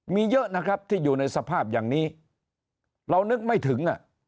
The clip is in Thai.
มีเยอะนะครับที่อยู่ในสภาพอย่างนี้เรานึกไม่ถึง